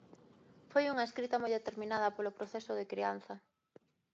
Foi unha escrita moi determinada polo proceso de crianza.